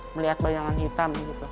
melihat bayangan hitam